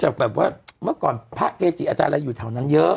แบบว่าเมื่อก่อนพระเกจิอาจารย์อะไรอยู่แถวนั้นเยอะ